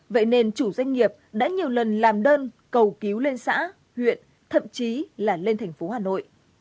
vậy nên chủ doanh nghiệp đã nhiều lần làm đơn cầu cứu lên xã huyện thậm chí là lên thành phố hà nội